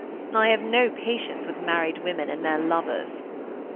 I have no patience with married women and their lovers."